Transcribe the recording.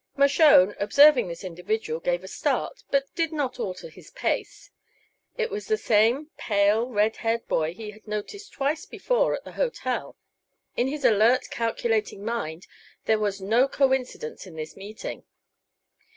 Mershone, observing this individual, gave a start, but did not alter his pace. It was the same pale, red haired boy he had noticed twice before at the hotel. In his alert, calculating mind there was no coincidence in this meeting.